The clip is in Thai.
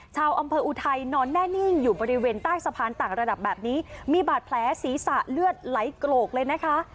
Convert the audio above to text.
ชาวอำเภออุทัยนอนแน่นิ่งอยู่บริเวณใต้สะพานต่างระดับแบบนี้มีบาดแผลศีรษะเลือดไหลโกรกเลยนะคะ